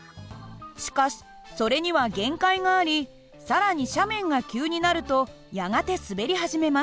しかしそれには限界があり更に斜面が急になるとやがて滑り始めます。